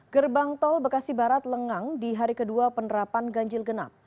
gerbang tol bekasi barat lengang di hari kedua penerapan ganjil genap